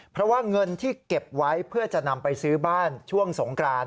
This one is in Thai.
เพราะว่าเงินที่เก็บไว้เพื่อจะนำไปซื้อบ้านช่วงสงกราน